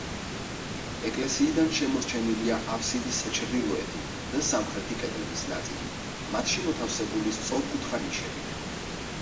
ეკლესიიდან შემორჩენილია აბსიდის ჩრდილოეთი და სამხრეთი კედლების ნაწილი, მათში მოთავსებული სწორკუთხა ნიშებით.